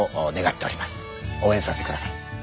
応援させて下さい。